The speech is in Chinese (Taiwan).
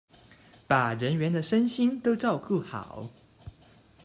把人員的身心都照顧好